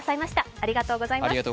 ありがとうございます。